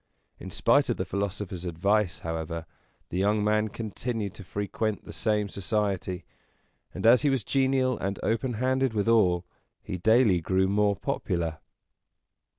In spite of the philosopher's advice, however, the young man continued to frequent the same society; and, as he was genial and open handed with all, he daily grew more popular.